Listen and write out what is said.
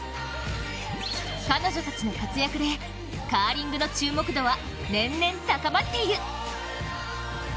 彼女たちの活躍で、カーリングの注目度は年々高まっている。